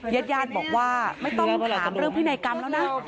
ญาติญาติบอกว่าไม่ต้องถามเรื่องพินัยกรรมแล้วนะ